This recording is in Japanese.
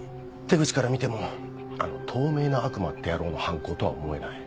手口から見てもあの透明な悪魔って野郎の犯行とは思えない。